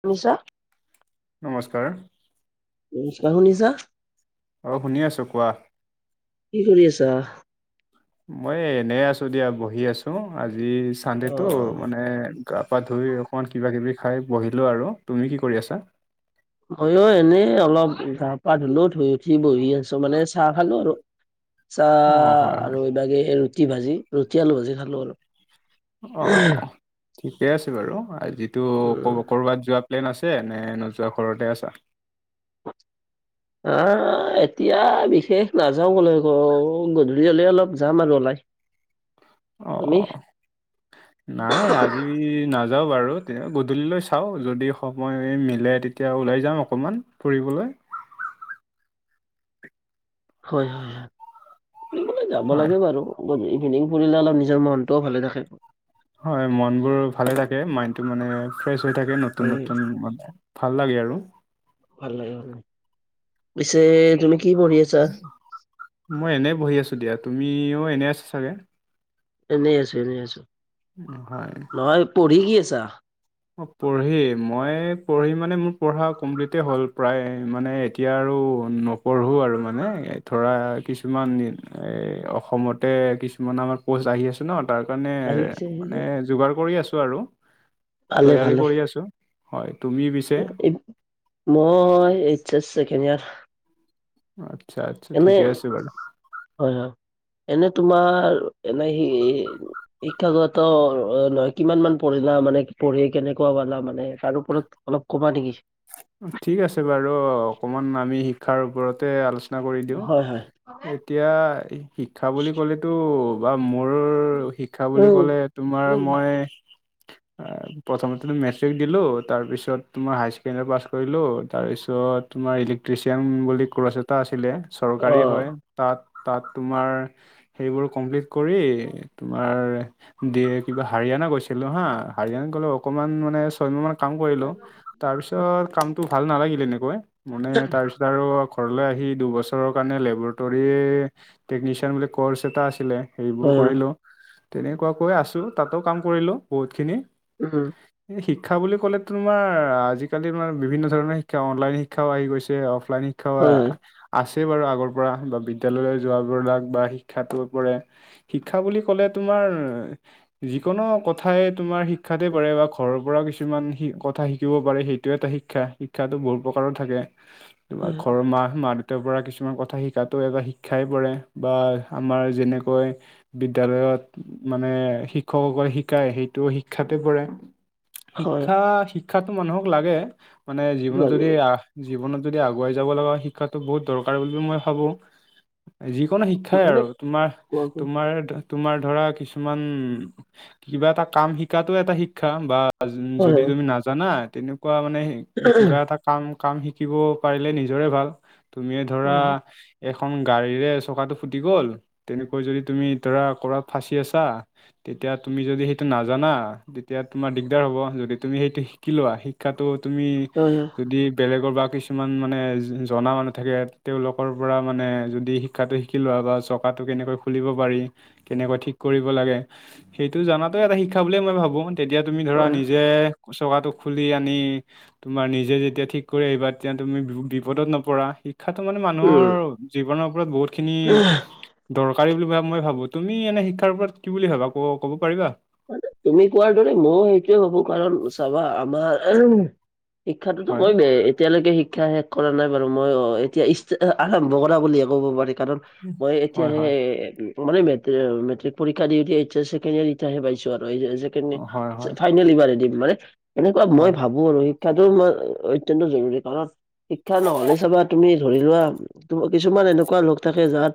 শুনিছা? নমস্কাৰ। নমস্কাৰ, শুনিছা? অঁ শুনি আছোঁ কোৱা। কি কৰি আছা? মই এনেই আছো দিয়া বহি আছো আজি চানডেটো অ' মানে - গা পা ধুই অকণমান কিবা কিবি খাই বহিলোঁ আৰু, তুমি কি কৰি আছা? মইও এনেই অলপ গা পা ধুলো ধুই উঠি বহি আছো, মানে চাহ খালো আৰু। চাহ অ হয় হয় আৰু এইবাগে ৰুটি ভাজি ৰুটি আলু ভাজি খালো আৰু। অঁ ঠিকে আছে বাৰু আজিটো উম, ক'ৰবাত যোৱা - প্লেন আছে নে নোযোৱা ঘৰতে আছা? [unintelligible] আহ এতিয়া বিশেষ নাযাও কলৈকো, গধূলি হ'লে অলপ যাম আৰু ওলাই। [inaudible] অ' নাই আ - আজি নাযাওঁ বাৰু তে গধূলিলৈ চাওঁ যদি সময় মিলে তেতিয়া ওলাই যাম অকণমান। ফুৰিবলৈ। হয় হয় ফুৰিবলে যাব হয় লাগে বাৰু। গধুলি ইভিনিং ফুৰিলে অলপ নিজৰ মনটোও ভালে থাকে। হয় মন বোৰ ভালে থাকে মাইন্ডটো মানে ফ্ৰেছ হৈ থাকে নতুন উম, নতুন মানে। ভাল লাগে আৰু। ভাল লাগে আৰু, পিছে তুমি কি পঢ়ি আছা? মই এনেই বহি আছো দিয়া, তুমিও এনে আছা চাগে? এনেই আছো এনেই আছো। নহয়। নহয় পঢ়ি কি আছা? অ পঢ়ি মই পঢ়ি মানে মোৰ পঢ়া কমপ্লিট হ'ল প্ৰায় মানে - এতিয়া আৰু নপঢ়োঁ আৰু মানে ধৰা কিছুমান দিন এই অসমত - তাতে কিছুমান আমাৰ পষ্ট আহি আছে ন তাৰ কাৰণে আহি আছে মানে যোগাৰ কৰি আছো আৰু। ভালে তৈয়াৰী ভালে কৰি আছো। হয়, তুমি পিছে? এই- মই এইচছ এছ ছেকেণ্ড ইয়াৰ। আচ্ছা আচ্ছা এনে ঠিকে আছে বাৰু। হয় হয় এনেই তোমাৰ এনেই সি - শিক্ষাগত লৈ কিমান মান পঢ়িলা মানে পঢ়ি কেনেকুৱা পালা মানে তাৰ ওপৰত - অলপ কবা নেকি? ঠিক আছে বাৰু অকমান আমি শিক্ষাৰ ওপৰতে আলোচনা - আলোচনা কৰি দিওঁ। হয় হয় এতিয়া শিক্ষা বুলি ক'লে - টো বা মোৰ শিক্ষা বুলি উম ক'লে তোমাৰ উম মই- প্ৰথমতে টো মেট্ৰিক দিলো তাৰপিছত তোমাৰ হাইচে - ণ্ডৰি পাছ কৰিলো তাৰপিছত তোমাৰ ইলিক- ্ট্ৰিচিয়ান বুলি কৰ্চ এটা আছিলে অ চৰকাৰী হয় তাত তাত তোমাৰ - সেইবোৰ কমপ্লিট কৰি তোমাৰ দিয়ে কিবা হাৰিয়ানা গৈছিলো হা হাৰিয়ানাত গ'লে অকনমান মানে ছয়মাহ মান কাম কৰিলো তাৰ পিছত কামটো ভাল নালাগিল এনেকৈ মানে তাৰ পিছত আৰু ঘৰলৈ আহি দুবছৰৰ কাৰণে লেবৰেটৰী টেকনিচিয়ান বুলি ক'ৰ্চ এটা আছিলে সেইবোৰ হয় হয় কৰিলো তেনেকুৱাকৈ আছো তাতো কাম কৰিলো বহুত খিনি উম এই শিক্ষা বুলি ক'লে তোমাৰ আজিকালি মানে বিভিন্ন ধৰণৰ শিক্ষা অনলাইন শিক্ষাও আহি গৈছে অফলাইন শিক্ষাও হয় হয় আহ আছেই বাৰু আগৰ পৰা বা বিদ্যালয়লৈ যোৱাবিলাক বা শিক্ষটো পৰে শিক্ষা বুলি ক'লে তোমাৰ যিকোনো কথাই তোমাৰ শিক্ষাতে পৰে বা ঘৰৰ পৰাও কিছুমান শি কথা শিকিব বাৰু সেইটো এটা শিক্ষা শিক্ষাটো বহুত প্ৰকাৰৰ থাকে হয় তোমাৰ ঘৰৰ মাহ মা তেওঁৰ পৰা কিছুমান কথা শিকাতো এটা শিক্ষাই পৰে বা আমাৰ যেনেকৈ বিদ্যালয়ত মানে শিক্ষকসকল শিকায় সেইটোও শিক্ষাতে পৰে হয় হয় শিক্ষা শিক্ষাতো মানুহক লাগে মানে জীৱনত যদি লাগিব আহ জীৱনত যদি আগুৱাই যাব লগা শিক্ষাটো বহুত দৰকাৰ বুলি মই ভাবো যিকোনো শিক্ষাই মানে আৰু তোমাৰ কোৱা কি তোমাৰ তোমাৰ ধৰা কিছুমান কিবা এটা কাম শিকাটো এটা শিক্ষা বা হয় যদি হয় তুমি নাজানা তেনেকুৱা মানে সে কিবা এটা কাম কাম শিকিব পাৰিলে নিজৰে ভাল তুমিয়ে ধৰা হয় এখন গাড়ীৰে চকাটো ফুটি গ'ল তেনেকৈ যদি তুমি ধৰা ক'াত ফাঁচি আছা তেতিয়া তুমি যদি সেইটো নাজানা তেতিয়া তোমাৰ দিগদাৰ হ'ব যদি তুমি সেইটো শ কি লোৱা শিক্ষাটো তুমি হয় যদি বেলেগৰ বা কিছুমান মানে জনা মানুহ থাকে তেওঁলোকৰ পৰা মানে যদি শিক্ষাটো শিকি লোৱা বা চকাটো কেনেকৈ খুলিব পাৰি কেনেকৈ ঠিক কৰিব লাগে সেইটো জানাটো এটা শিক্ষা বুলিয়ে মই ভাবো তেতিয়া তুমি ধৰা হয় হয় নিজে চকাটো খুলি আনি তোমাৰ নিজে যেতিয়া ঠিক কৰি আহিবা তেতিয়া তুমি বিপদত নপৰা শিক্ষাটো মানে মানুহৰ জীৱনৰ ওপৰত বহুতখিনি উম দৰকাৰী বুলি মই ভাবো তুমি এনে শিক্ষাৰ ওপৰত কি বুলি ভাবা ক ক'ব পাৰিবা তুমি কোৱাৰ দৰে ময়ো সেইটোৱে ভাবো কাৰণ চাবা আমাৰ শিক্ষাতোতো হয় কমেই এতিয়ালৈকে শিক্ষাাহে কৰা নাই বাৰু মই অ এতিয়া ষ্টা আৰম্ভ কৰা বুলিয়ে ক'ব পাৰি কাৰণ মই হয় এতিয়াাহে হয় মানে মেট্ৰিক পৰীক্ষা দি এইছেে ে পাইছো আৰু হয় হয় ফাইনেল ইবাৰ দিম মানে এনেকুৱা মই হয় ভাবো শিক্ষাটো অত্যন্ত জৰুৰী কাৰণ শিক্ষা নহলে চাবা তুমি ধৰি লোৱাম কিছুমান এনেকুৱা লোক থাকে যাৰ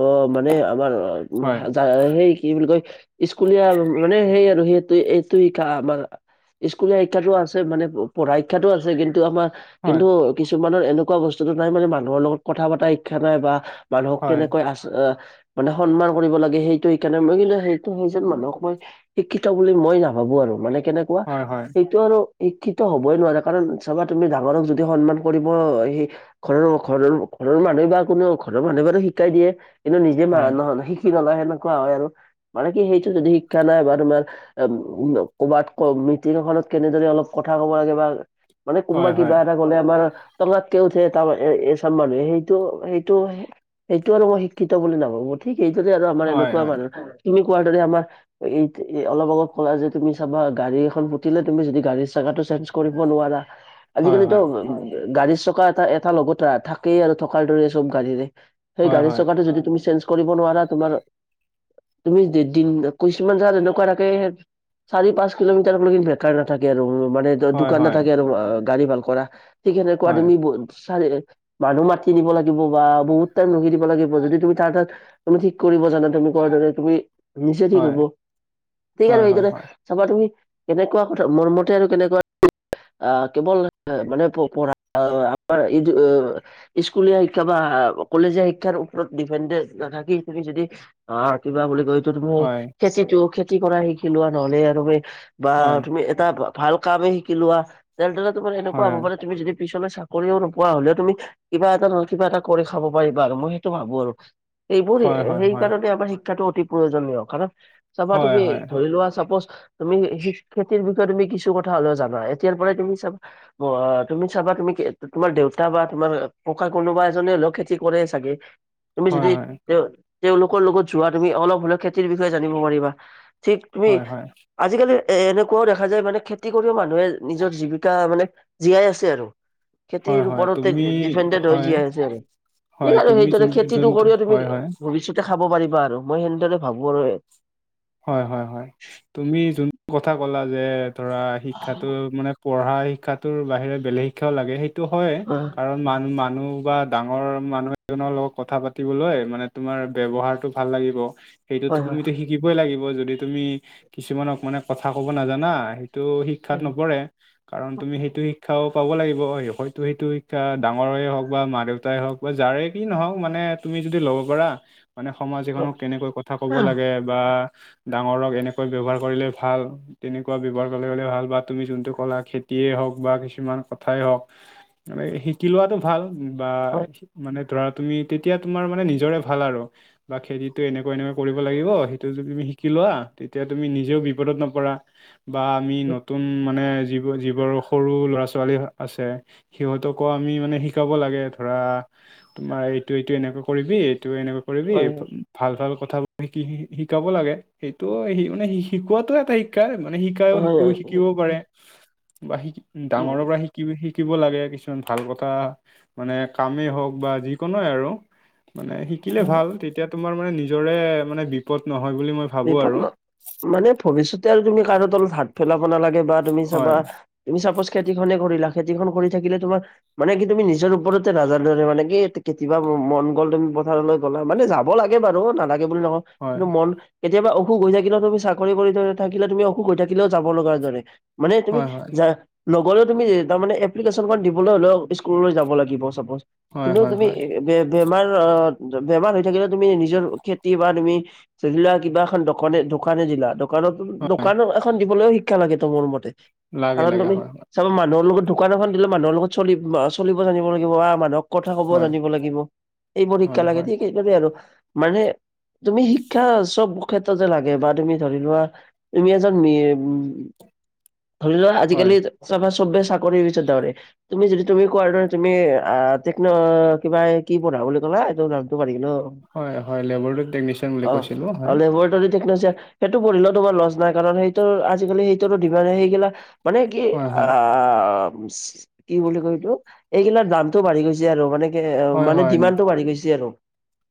অ মানে আমাৰ হয় হাজাৰ সেই কি বুলি কয় ইচ স্কুলীয়া মানে সেই আৰু সেইটো এইটো ক আমাৰ স্কুলীয়া শিক্ষাতো আছে মানে পঢ়া শিক্ষাতো আছে কিন্তু আমাৰ হয় কিন্তু কিছুমানৰ এনেকুৱা বস্তুটো নাই মানে মানুহৰ লগত কথা পতা শিক্ষা নাই বা মানুহক হয় কেনেকৈ আচ মানে সন্মান কৰিব লাগে সেইটো সেইকাৰণে মই কি সেইটো স যেন মানুহক মই এই শিক্ষিত বুলি মই নাভাবো আৰু মানে কেনেকুৱা হয় সটো আৰু শিক্ষিত হ'বই নোৱাৰে কাৰণ চাবা তুমি ডাঙৰক যদি সন্মান কৰিব সি ঘৰৰ ঘৰৰ ঘৰৰ মানুহে বা কোনো ঘৰৰ মানুহ যদি শিকাই দিয়ে কিন্তু নিজে মা হয় নহলে শিকি নলয় সেনেকুৱা হয় আৰু। মানে কি সেইটো যদি শিক্ষা নাই বা তোমাৰ আম ক'ৰবাত কমিটি এখনত কেনেদৰে অলপ কথা ক'ব লাগে বা মানে হয় কোনোবাই হয় কিবা এটা ক'লে আমাৰ টঙাতকে উঠে তাৰপৰা এ এচাম মানুহে সেইটো, সেইটো সেইটো আৰু মই শিক্ষিত বুলি নাভাৱোঁ। ঠিক এইদৰে আৰু আমাৰ হয় এনেকুৱা হয় মানুহ থাকে তুমি কোৱাৰ দৰে আমাৰ এই এ অলপ আগত ক'লা যে তুমি চাবা গাড়ী এখন ফুটিলে, তুমি যদি গাড়ীৰ চকাটো চেঞ্জ কৰিব নোৱাৰা। হয় আজিকালিটো হয় গাড়ীৰ চকা এটা এটা লগত থা থাকেই আৰু থকাৰ দৰেই চব গাড়ীৰে। সেই হয় গাড়ী হয় চকাটো যদি তুমি চেঞ্জ কৰিব নোৱাৰা। তোমাৰ তুমি দি দিন কিছুমান জেগাত এনেকুৱা থাকে সেয়াত চাৰি, পাঁচ কিলোমিটাৰলৈকে বেকাৰ নাথাকে আৰু মানে ত ' হয় দোকান নাথাকে আৰু আঁ--গাড়ী ভাল কৰা। ঠিক সেনেকুৱা হয় তুমি ব ' চাৰি মানুহ মাতি নিব লাগিব বা বহুত টাইম ৰখি দিব লাগিব। যদি তুমি তাৰ তাত তুমি ঠিক কৰিব জানা তুমি কোৱাৰ দৰে। তুমি নিচে ঠিক হয় হ'ব। ঠিক আছে হয় হয় বাৰু হয় হয় এতিয়ালে। চাবা তুমি কেনেকুৱা কথা, মৰমতে আৰু কেনেকুৱা আ কেৱল মানে প পঢ়া আমাৰ এইটো স্কুলীয়া শিক্ষা বা কলেজীয়া শিক্ষাৰ ওপৰত ডিপেন্দেণ্ড নাথাকি তুমি যদি আঁ কিবা বুলি কৈটো তুমি হয় খেতিটো খেতি কৰা শিকি লোৱা। নহলে আৰু সেই বা তুমি এটা ভা ভাল কামেই শিকি লোৱা। তেনেদৰে তোমাৰ সেনেকুৱা হয় হয় হ'ব পাৰে তুমি যদি পিছলৈ চাকৰিও নোপোৱা। হ'লেও তুমি কিবা এটা নহয় কিবা এটা কৰি খাব পাৰিবা আৰু মই সেইটো ভাৱোঁ আৰু। এইবোৰ সে হয় হয় হয় সেই কাৰণে আমাৰ শিক্ষাটো অতি প্ৰয়োজনীয় কাৰণ চাবা হয় তুমি, হয় ধৰিলোৱা চাপোছ তুমি খেতিৰ বিষয়ে তুমি কিছু কথা হ'লেও জানা। এতিয়াৰ পৰাই তুমি চাবা বা তুমি চাবা তুমি কে তোমাৰ দেউতা বা তোমাৰ ককা কোনোবা এজনে হ'লেও খেতি কৰে চাগে? তুমি হয় হয় যদি তেওঁ তেওঁলোকৰ লগত যোৱা তুমি অলপ হ'লেও খেতিৰ বিষয়ে জানিব পাৰিবা। ঠিক তুমি হয় হয় আজিকালি এ এনেকুৱাও দেখা যায় মানে খেতি কৰিও মানুহে নিজৰ জীৱিকা মানে জীয়াই আছে আৰু। হয় খেতিৰ হয় ওপৰতে তুমি ডিপেণ্ডেত হৈ হয় জীয়াই আছে আৰু। হয় ঠিক আৰু তুমি সেইদৰে যোনটো খেতিটো যোনটো কৰিও তুমি হয় হয় ভৱিষ্যতে খাব পাৰিবা আৰু। মই সেনেদৰে ভাৱোঁ আৰু। হয়, হয় হয়। তুমি যোনটো কথা ক'লা যে ধৰা শিক্ষাটো মানে পঢ়া শিক্ষাটোৰ বাহিৰে বেলেগ শিক্ষাও লাগে। সেইটো হয় কাৰণ মান মানুহ বা ডাঙৰ মানুহ এজনৰ লগত কথা পাতিবলৈ মানে তোমাৰ ব্যৱহাৰটো ভাল লাগিব। সেইটোতো হয় তুমিতো শিকিবই লাগিব। যদি তুমি কিছুমানক মানে কথা ক'ব নাজানা। সেইটো শিক্ষাত নপৰে। কাৰণ তুমি সেইটো শিক্ষ শিক্ষাও পাব লাগিব। হয়তো সেইটো শিক্ষা ডাঙৰৰে হওক বা মা-দেউতাই হওক বা যাৰে কি নহওক মানে তুমি যদি ল'ব পাৰা। মানে সমাজ এখনক কেনেকৈ কথা ক'ব লাগে বা ডাঙৰক এনেকৈ ব্যৱহাৰ কৰিলে ভাল তেনেকুৱা ব্যৱহাৰ ক'লে গ'লে মানে ভাল বা তুমি যোনটো ক'লা, খেতিয়ে হওঁক বা কিছুমান কথাই হওঁক। মানে, শিকি লোৱাটো ভাল বা মানে, ধৰা তুমি তেতিয়া তোমাৰ মানে নিজৰে ভাল আৰু বা খেতিটো এনেকুৱা এনেকুৱা কৰিব লাগিব। তাৰপিছত তুমি শিকিলোৱা। তেতিয়া তুমি নিজেও বিপদত নপৰা বা আমি নতুন মানে যিব যিবোৰ সৰু ল'ৰা-ছোৱালী আ আছে। সিহঁতকো আমি মানে শিকাব লাগে ধৰা তোমাৰ এইটো এইটো এনেকে কৰিবি, এইটো এনেকে কৰিবি, হয় হয় ভাল ভাল কথাবোৰ শিকিবি শিকাব লাগে সেইটোও সি মানে শিকোৱাত এটা শিক্ষাই মানে শিকাইও শিকো শিকিব হয় পাৰে। বা শিক ডাঙৰৰ পৰা শিকি শিকি শিকিব লাগে কিছুমান ভাল কথা মানে কামেই হওঁক বা যিকোনোৱে আৰু। মানে শিকিলে হয় ভাল। তেতিয়া তোমাৰ মানে নিজৰে মানে বিপদ নহয় বুলি মই ভাবো বিপদ ন আৰু মানে ভৱিষ্যতে আৰু তুমি কাৰো তলত হাত পেলাব নালাগে, বা তুমি চাবা হয় তুমি চাপোচ খেতি খনে কৰিলা, খেতিখন কৰি থাকিলে তোমাৰ মানে কি তুমি নিজৰ ওপৰতে ৰাজাৰে দৰে মানে কি কেতিয়া মন গ'ল তুমি পথাৰলৈ গ'লা মানে যাব লাগে বাৰু, নালাগে বুলি নকওঁ হয় কিন্তু মন কেতিয়াবা অসুখ হৈ থাকিলও তুমি চাকৰি কৰি থ থাকিলে তুমি অসুখ হৈ থাকিলেও যাব লগা দৰে। মানে তুমি হয় হয় যাৰ লগলেও তুমি তাৰমানে এপ্লিকেশ্যন দিবলৈ হলেওঁ স্কুললৈ যাব লাগিব চাপোজ। হয় কিন্তু হয় তুমি হয় বে বেমাৰ অ', বেমাৰ হৈ থাকিলেও তুমি নিজৰ খেতি বা তুমি ধৰি লোৱা কিবা এখন দোকানে দোকানে দিলা। দোকানত হয় দোকানৰ এখন দিবলৈও শিক্ষা লাগে ত মোৰ মতে। লাগে কাৰণ লাগে তুমি হয় হয় চাবা মানুহৰ লগত দোকান এখন দিলে মানুহৰ লগত চল চলিব জানিব লাগিব বা মানুহক কথা কব হয় জানিব লাগিব। এইবোৰ শিক্ষা হয় লাগে হয় দে সেইবাবে আৰু মানে তুমি শিক্ষা চব ক্ষেত্ৰত যে লাগে বা তুমি ধৰি লোৱা তুমি এজন মি ধৰি লোৱা হয় আজিকালি চাবা চবে চাকৰিৰ পিছত দৌৰে। তুমি যদি তুমি কোৱাৰ দৰে আ তেকন আহ কিবা এ কি পঢ়া বুলি ক'লা এই নামটো পাহৰি গিলো। হয় হয়। লবৰেটৰি টেকনিচিয়ান বুলি কৈছিলো হয়। লেবৰটৰি টেকনিসিয়ান সেইটো পঢ়িলে তোমাৰ লছ নাই, কাৰণ সেইটো আজিকালি সেইটোৰও ডিফ সেইগিলা মানে কি হয় আ হয় আ চি কি বুলি কয় এইটো, এইগিলাৰ দামটো বাঢ়ি গৈছে আৰু মানে এ হয় মানে হয় ডিমাণ্ডটো বাঢ়ি গৈছে আৰু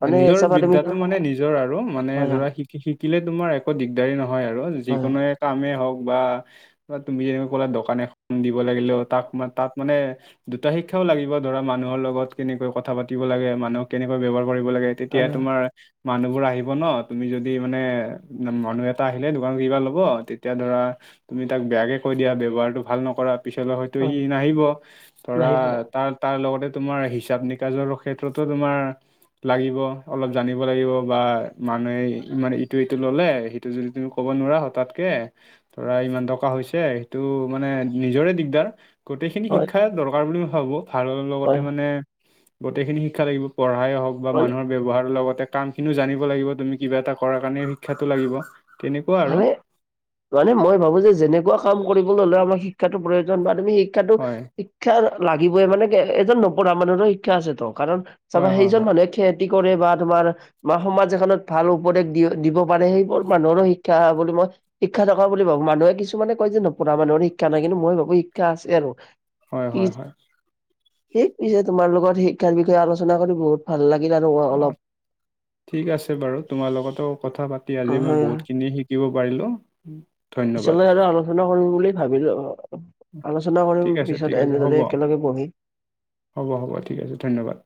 মানে, নিজৰ চাবা তুমি বিদ্যাটো মানে নিজৰ আৰু মানে হয় ধৰা শিক শিকিলে তোমাৰ একো দিগদাৰি নহয় আৰু, হয় হয় যিকোনোৱে কামেই হওঁক বা তুমি যেনে কলা দোকান এখন দিব লাগিলেও তাক ম তাত মানে কা দুটা শিক্ষাও লাগিব ধৰা, মানুহৰ লগত কেনেকৈ কথা পাতি লাগে মানুহক কেনেকৈ ব্যৱহাৰ কৰিব লাগে, তেতিয়া হয় তোমাৰ মানুহবোৰ আহিব ন! তুমি যদি মানে মানুহ এটা আহিলে দোকানত কিবা ল'ব তেতিয়া ধৰা তুমি তাক বেয়াকে কৈ দিয়া, ব্যৱহাৰটো ভাল নকৰা। পিছলৈ হয়তো হয় সি নাহিব ধৰা নাহিব লাগে তাক তাৰ লগতে তোমাৰ হিচাপ নিকাজৰো ক্ষেত্ৰতো তোমাৰ লাগিব। অলপ জানিব লাগিব বা মানুহে ইমান ইটো সিটো ল'লে সেইটো যদি তুমি ক'ব নোৱাৰা হতাৎ কে ধৰা ইমান টকা হৈছে, সেইটো মানে নিজৰে দিগদাৰ গোটেইখিনি হয় শিক্ষা দৰকাৰ বুলি ভাবো আৰু হয় লগতে মানে গোটেইখিনি শিক্ষা লাগিব, পঢ়াই হওঁক বা মানে মানুহৰ ব্যৱহাৰৰ লগতে কাম খিনিও জানিব লাগিব তুমি কিবা এটা কৰাৰ কাৰণে শিক্ষাটো লাগিব। তেনেকুৱা আৰু মানে, মানে মই ভাবো যে যেনেকুৱা কাম কৰিবলে হ'লে আমাৰ শিক্ষাটো প্ৰয়োজন শিক্ষাতটো হয় শিক্ষা লাগিবই মানে কি, এজন নপঢ়া মানুহৰো শিক্ষা আছেতো কাৰণ চাবা হয় হয় সেইজন হয় মানুহে খেদ যি কৰে বা তোমাৰ সমাজ এখনত ভাল উপদেশ দি দিব পাৰে, সেইবোৰ মানুহৰো শিক্ষা ক্ষা বুলি মই শিক্ষা থকা বুলি ভাবো। মানুহে কিছুমানে কয় যে নপঢ়া মানুহৰ শিক্ষা নাই, কিন্তু মই ভাবো শিক্ষা আছে আৰু হয় কি হয় হয় কি পিছে তোমাৰ লগত শিক্ষাৰ বিষয়ে আলোচনা কৰি বহুত ভাল লাগিল আৰু। অলপ অ', ঠিক আছে বাৰু তোমাৰ লগতো কথা পাতি আজি মই হয় বহুতখিনি শি শিকিব পাৰিলো। পিছলৈ আৰু আলোচনা কৰিম বুলি ভাবিলো। আলোচনা ঠিক কৰিম আছে ঠিক পিছত আছে হ'ব এনেদৰে একেলগে বহি। হ'ব হ'ব ঠিক আছে ধন্যবাদ।